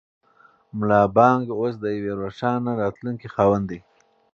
ملا بانګ اوس د یوې روښانه راتلونکې خاوند دی.